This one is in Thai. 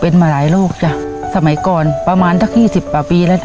เป็นมาหลายโรคจ้ะสมัยก่อนประมาณทั้ง๒๐ประปีแล้ว